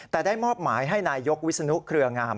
แต่ได้มอบหมายให้นายยกวิศนุเครืองาม